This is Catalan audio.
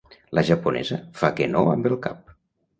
La japonesa fa que no amb el cap.